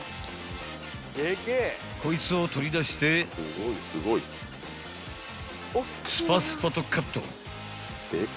［こいつを取り出してスパスパとカット］